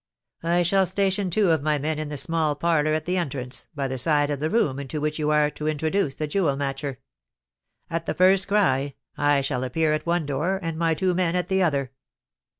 "I shall station two of my men in the small parlour at the entrance, by the side of the room into which you are to introduce the jewel matcher. At the first cry, I shall appear at one door, and my two men at the other."